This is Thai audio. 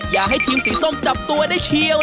อยากให้ทีมสีส้มจับตัวได้เชียว